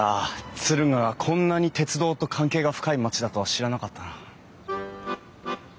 敦賀がこんなに鉄道と関係が深い町だとは知らなかったな。